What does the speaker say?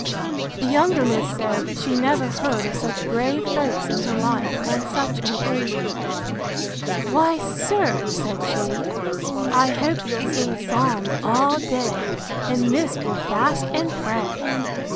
The younger miss said, She never heard of such grave folks in her life, on such an occasion: Why, sir, said she, I hope you'll sing psalms all day, and miss will fast and pray!